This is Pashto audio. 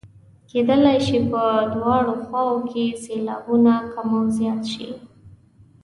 کیدلای شي په دواړو خواوو کې سېلابونه کم او زیات شي.